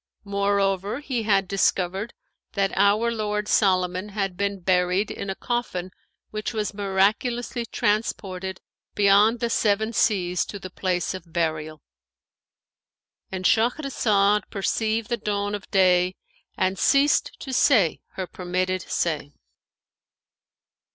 Moreover, he had discovered that our lord Solomon had been buried in a coffin which was miraculously transported beyond the Seven Seas to the place of burial;"—And Shahrazad perceived the dawn of day and ceased to say her permitted say.